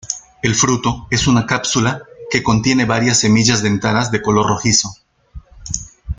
El fruto es una cápsula que contiene varias semillas dentadas de color rojizo.